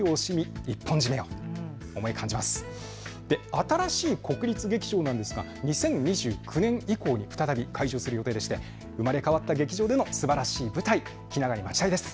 新しい国立劇場なんですが２０２９年以降に再び開場する予定で生まれ変わった劇場でのすばらしい舞台、気長に待ちたいです。